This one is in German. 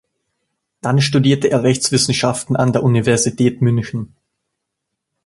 Dann studierte er Rechtswissenschaften an der Universität München.